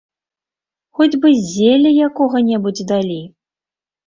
Хоць бы зелля якога-небудзь далі!